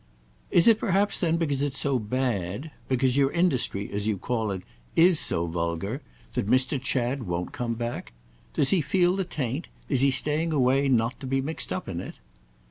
"Is it perhaps then because it's so bad—because your industry as you call it, is so vulgar—that Mr. Chad won't come back? Does he feel the taint? Is he staying away not to be mixed up in it?"